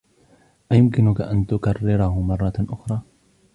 أيمكنك أن تكرره مرة أخرى ؟